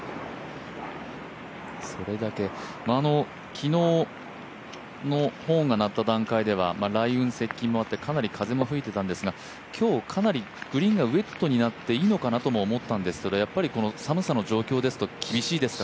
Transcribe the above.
昨日のホーンが鳴った段階では雷雲接近もあって、かなり風も吹いてたんですが今日かなりグリーンがウエットになっていいと思ったんですがやっぱりこの寒さの状況ですと厳しいですか？